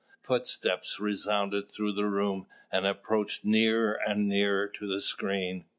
Footsteps resounded through the room, and approached nearer and nearer to the screen.